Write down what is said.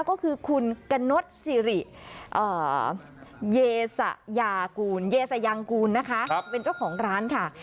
ก็คือคุณกะนดสิริเยสะยากูลเยสยางกูลนะคะเป็นเจ้าของร้านค่ะ